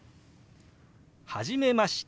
「初めまして。